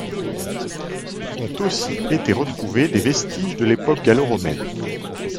Ont aussi été retrouvés des vestiges de l'époque gallo-romaine.